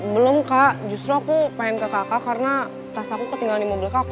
belum kak justru aku pengen ke kakak karena tas aku ketinggalan di mobil kakek